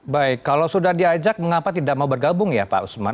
baik kalau sudah diajak mengapa tidak mau bergabung ya pak usman